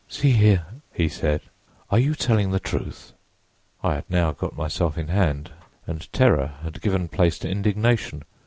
'See here,' he said, 'are you telling the truth?' "I had now got myself in hand and terror had given place to indignation.